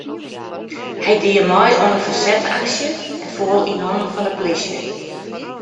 Hy die mei oan in fersetsaksje en foel yn hannen fan de polysje.